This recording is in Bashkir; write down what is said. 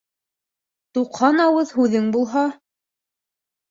Туҡһан ауыҙ һүҙең булһа